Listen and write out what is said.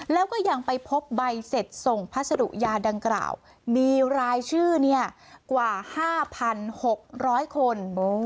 แล้วก็ยังไปพบใบเสร็จส่งพัสดุยาดังกล่าวมีรายชื่อกว่า๕๖๐๐คน